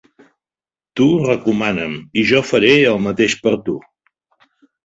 Tu recomana'm i jo faré el mateix per tu.